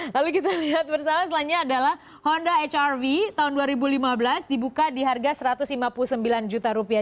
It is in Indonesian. lalu kita lihat bersama selanjutnya adalah honda hrv tahun dua ribu lima belas dibuka di harga satu ratus lima puluh sembilan juta rupiah